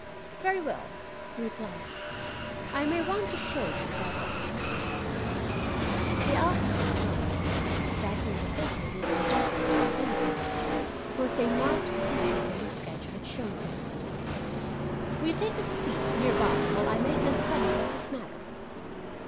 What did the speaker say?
"Very well," he replied; "I may want to show you that arch." The outline of an arch, backing the figure we were endeavoring to identify, was a marked feature in the sketch I had shown him. "Will you take a seat near by while I make a study of this matter?"